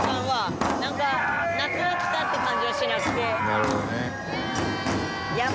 「なるほどね」